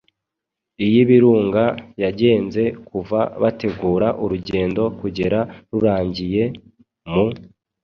iyIbirunga yagenze kuva bategura urugendo kugera rurangiye. Mu